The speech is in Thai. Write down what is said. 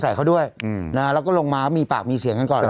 ใส่เขาด้วยอืมนะฮะแล้วก็ลงมาว่ามีปากมีเสียงกันก่อน